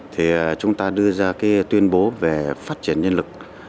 thì chúng ta đưa ra cái tuyên bố về phát triển nhân lực